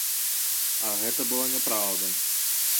А гэта была няпраўда.